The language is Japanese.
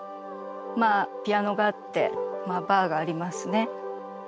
まあピアノがあってバーがありますね。